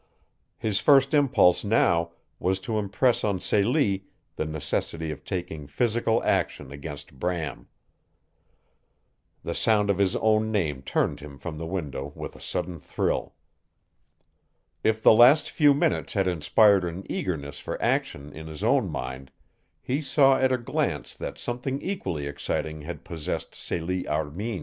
His first impulse now was to impress on Celie the necessity of taking physical action against Bram. The sound of his own name turned him from the window with a sudden thrill. If the last few minutes had inspired an eagerness for action in his own mind he saw at a glance that something equally exciting had possessed Celie Armin.